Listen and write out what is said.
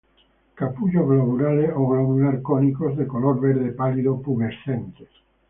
Capullos globulares ó globular-cónicos, de color verde pálido, pubescentes.